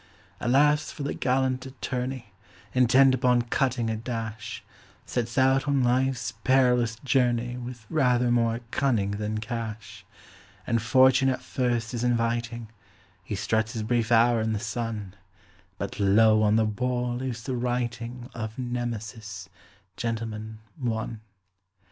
Alas! for the gallant attorney, Intent upon cutting a dash, Sets out on life's perilous journey With rather more cunning than cash. And fortune at first is inviting He struts his brief hour in the sun But, lo! on the wall is the writing Of Nemesis, "Gentleman, One".